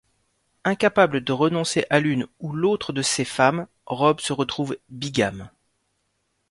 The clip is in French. Incapable de renoncer à l'une ou l'autre de ces femmes, Rob se retrouve bigame.